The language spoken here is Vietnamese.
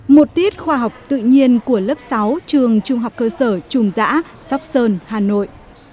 một tiết khoa học tự nhiên của lớp sáu trường trung học cơ sở trùng giã sóc sơn hà nội